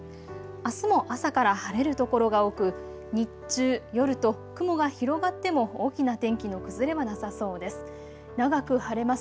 あすも朝から晴れる所が多く日中、夜と雲が広がっても大きな天気の崩れはなさそうです。